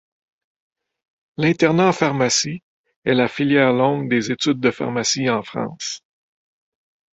L'internat en pharmacie est la filière longue des études de pharmacie en France.